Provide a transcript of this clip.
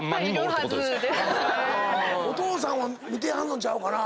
お父さん見てはんのちゃうかな？